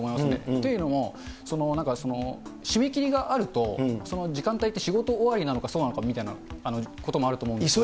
というのも、締め切りがあると、その時間帯って、仕事終わりなのかそうなのかみたいなこともあると思うんですけど。